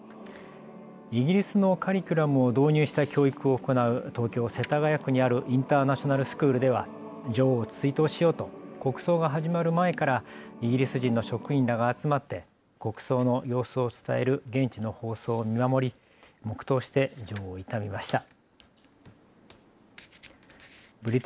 イギリスのカリキュラムを導入した教育を行う東京世田谷区にあるインターナショナルスクールでは女王を追悼しようと国葬が始まる前からイギリス人の職員らが集まって国葬の様子を伝える現地の放送を見守り黙とうして女王を悼みました。